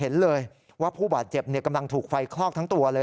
เห็นเลยว่าผู้บาดเจ็บกำลังถูกไฟคลอกทั้งตัวเลย